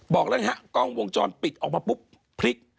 บอกแล้วนะฮะกล้องวงจรปิดออกมาปุ๊บพลิก